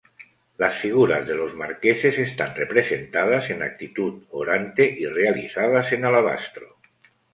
Las figuras de los marqueses están representadas en actitud orante y realizadas en alabastro.